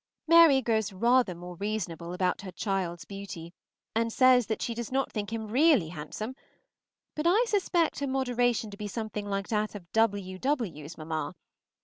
Mary grows rather more reasonable about her child's beauty, and says that she does not think him really handsome; but I suspect her moderation to be something like that of W W 's mamma.